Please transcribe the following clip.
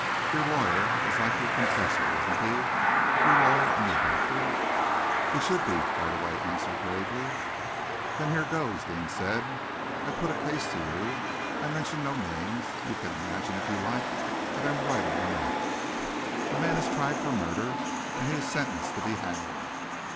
Your lawyer is like your confessor, isn't he your lawyer and your doctor?" "He should be," Hardaway answered gravely. "Then here goes," Deane said. "I put a case to you. I mention no names. You can imagine, if you like, that I am writing a novel. A man is tried for murder, and he is sentenced to be hanged.